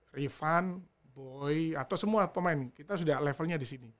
rifan boy atau semua pemain kita sudah levelnya di sini